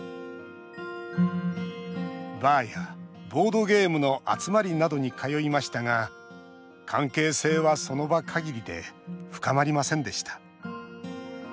バーやボードゲームの集まりなどに通いましたが関係性はその場限りで深まりませんでした。